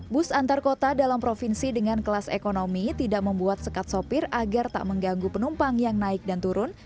bus antar kota dalam provinsi dengan kelas ekonomi tidak membuat sekat sopir agar tak mengganggu penumpang yang naik dan turun